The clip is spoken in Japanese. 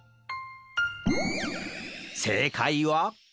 せいかいは？